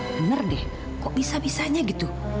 bener deh kok bisa bisanya gitu